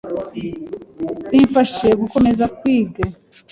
bimfeshe gukomeze kwige